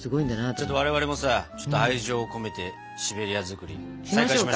ちょっと我々もさ愛情を込めてシベリア作り再開しましょうか！